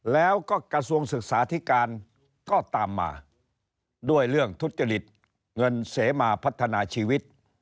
แล้วก็กระทรวงศึกษาธิการก็ตามมาด้วยเรื่องทุจริตเงินเสมาพัฒนาชีวิต